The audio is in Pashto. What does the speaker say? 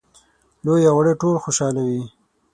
لوی او واړه ټول خوشاله وي.